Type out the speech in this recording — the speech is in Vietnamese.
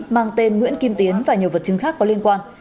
mang tên nguyễn kim tiến và nhiều vật chứng khác có liên quan